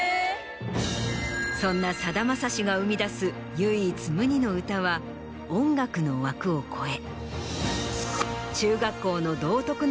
そんなさだまさしが生み出す唯一無二の歌は音楽の枠を超え。